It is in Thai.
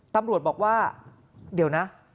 ตำรวจบอกว่าเดี๋ยวนะ